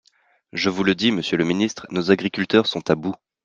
Je vous le dis, monsieur le ministre, nos agriculteurs sont à bout.